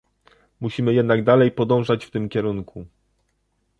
Musimy jednak dalej podążać w tym kierunku